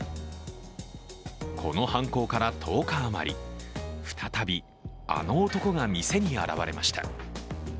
この犯行から１０日余り、再び、あの男が店に現れました。